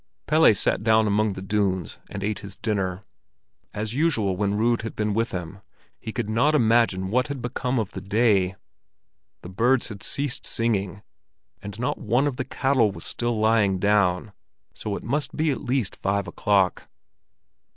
Pelle sat down among the dunes and ate his dinner. As usual when Rud had been with him, he could not imagine what had become of the day. The birds had ceased singing, and not one of the cattle was still lying down, so it must be at least five o'clock.